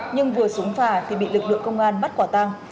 nhưng vừa súng phả thì bị lực lượng công an bắt quả tàng